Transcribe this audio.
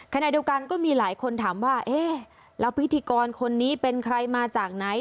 ขณะเดียวกันก็มีหลายคนถามว่าเอ๊ะแล้วพิธีกรคนนี้เป็นใครมาจากไหน